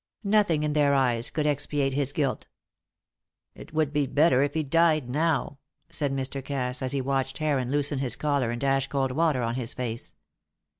Nothing in their eyes could expiate his guilt. "It would be better if he died now," said Mr. Cass, as he watched Heron loosen his collar and dash cold water on his face.